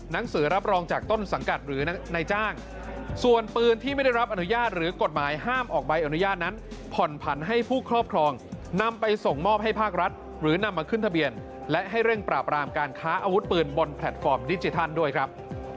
หนังสือรับรองจากต้นสังกัดหรือนายจ้างส่วนปืนที่ไม่ได้รับอนุญาตหรือกฎหมายห้ามออกใบอนุญาตนั้นผ่อนผันให้ผู้ครอบครองนำไปส่งมอบให้ภาครัฐหรือนำมาขึ้นทะเบียนและให้เร่งปราบรามการค้าอาวุธปืนบนแพลตฟอร์มดิจิทัลด้วยครับ